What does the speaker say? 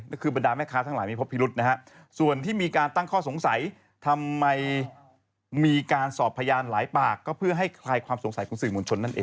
ก็คือบรรดาแม่ค้าทั้งหลายไม่พบพิรุษนะฮะส่วนที่มีการตั้งข้อสงสัยทำไมมีการสอบพยานหลายปากก็เพื่อให้คลายความสงสัยของสื่อมวลชนนั่นเอง